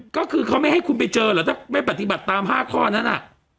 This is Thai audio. ก็คือเขาไม่ให้คุณไปเจอเหรอถ้าไม่ปฏิบัติตาม๕ข้อนั้น